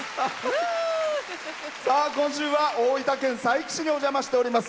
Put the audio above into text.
今週は大分県佐伯市にお邪魔しております。